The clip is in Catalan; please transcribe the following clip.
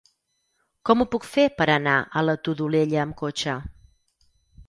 Com ho puc fer per anar a la Todolella amb cotxe?